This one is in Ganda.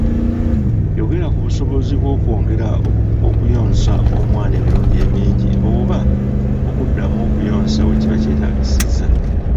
Yogera ku busobozi bw'okwongera okuyonsa omwana emirundi emingi oba okuddamu okuyonsa we kiba kyetaagisizza.